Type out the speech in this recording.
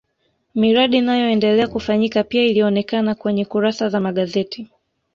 miradi inayoendelea kufanyika pia ilionekana kwenye kurasa za magazeti